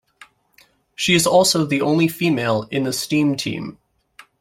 She is also the only female in the Steam Team.